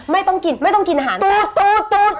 ไม่ต้องกินไม่ต้องกินอาหารตูดตูดตูด